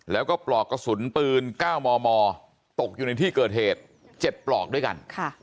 แล้วก็ปลอกกระสุนปืน๙มมตกอยู่ในที่เกิดเหตุ๗ปลอกด้วยกัน